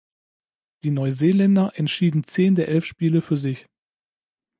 Die Neuseeländer entschieden zehn der elf Spiele für sich.